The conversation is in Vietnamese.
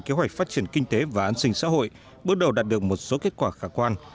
kế hoạch phát triển kinh tế và an sinh xã hội bước đầu đạt được một số kết quả khả quan